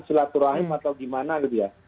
silaturahim atau gimana gitu ya